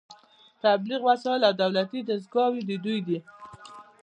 د تبلیغ وسایل او دولتي دستګاوې د دوی دي